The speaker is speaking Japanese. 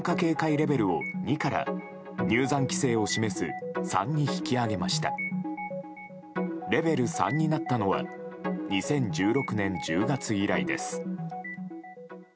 レベル３になったのは２０１６年１０月以来です。